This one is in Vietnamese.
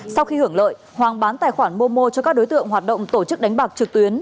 sau khi hưởng lợi hoàng bán tài khoản momo cho các đối tượng hoạt động tổ chức đánh bạc trực tuyến